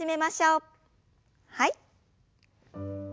はい。